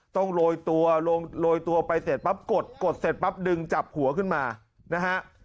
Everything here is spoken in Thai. โรยตัวลงโรยตัวไปเสร็จปั๊บกดกดเสร็จปั๊บดึงจับหัวขึ้นมานะฮะ